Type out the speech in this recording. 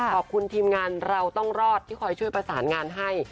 ขอบคุณทีมงานเราต้องรอดที่คอยช่วยประสานงานให้